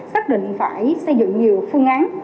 xác định phải xây dựng nhiều phương án